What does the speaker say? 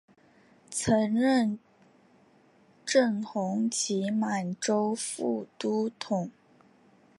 曾任正红旗满洲副都统。